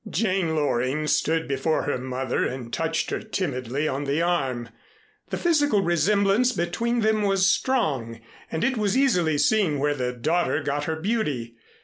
Jane Loring stood before her mother and touched her timidly on the arm. The physical resemblance between them was strong, and it was easily seen where the daughter got her beauty.